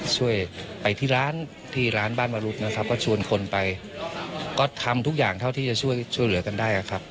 ช่วยไปที่ร้านที่ร้านบ้านวรุษนะครับก็ชวนคนไปก็ทำทุกอย่างเท่าที่จะช่วยช่วยเหลือกันได้ครับ